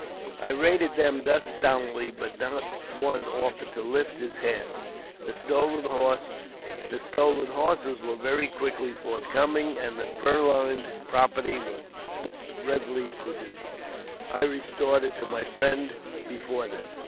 ||l I rated them thus soundly, but not one offered to lift his™ hand. The stolen horses were very quickly forthcoming, and the purloined property was readily produced. I restored it to my friend before them.